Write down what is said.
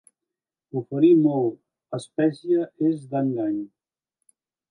Oferir molt, espècie és d'engany.